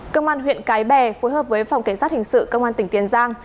cơ quan huyện cái bè phối hợp với phòng cảnh sát hình sự công an tỉnh tiền giang